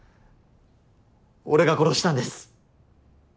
俺が殺したんです。